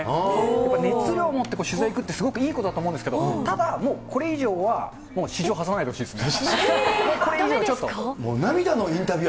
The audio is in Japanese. やっぱり熱量を持って取材行くってすごくいいことだと思うんですけれども、ただ、もうこれ以上は、もう私情を挟まないでほしいですね。